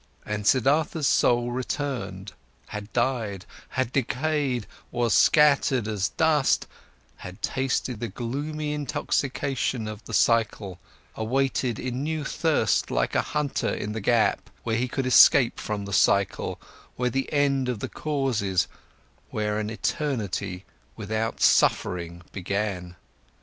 And Siddhartha's soul returned, had died, had decayed, was scattered as dust, had tasted the gloomy intoxication of the cycle, awaited in new thirst like a hunter in the gap, where he could escape from the cycle, where the end of the causes, where an eternity without suffering began.